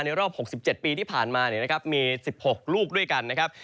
ในรอบ๖๗ปีที่ผ่านมาเนี่ยนะครับมี๑๖ลูกด้วยกันนะครับ